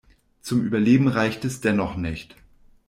Zum Überleben reichte es dennoch nicht.